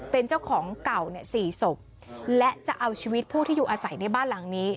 เป็นเจ้าของเก่าเนี่ย๔ศพและจะเอาชีวิตผู้ที่อยู่อาศัยในบ้านหลังนี้